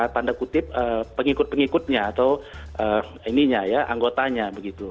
tanda kutip pengikut pengikutnya atau anggotanya begitu